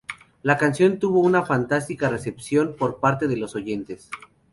La canción tuvo una fantástica recepción por parte de los oyentes.